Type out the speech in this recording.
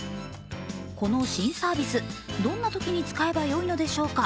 この新サービス、どんなときに使えばよいのでしょうか。